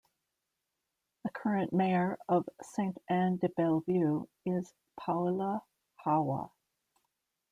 The current mayor of Saint-Anne-de-Bellevue is Paola Hawa.